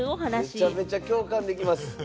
めちゃめちゃ共感できます。